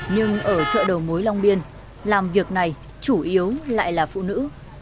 nhưng ở chợ đầu mối long biên làm việc này chủ yếu lại là phụ nữ